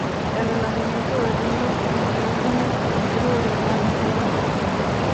El relanzamiento de Rhino Entertaiment es el original lanzado en Europa.